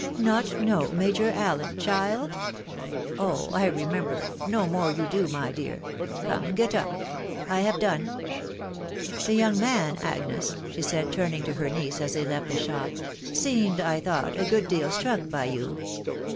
" Not know Major Allen, child ?.... Oh ! I remember .... no more you do, my dear .... come, get up ; I have done. ... The young man, Agnes," she said, turning to her niece as they left the shop, •* seemed, I thought, a good deal struck by you.